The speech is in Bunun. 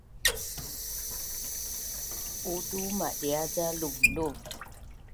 Uutu madia’ ca luvluv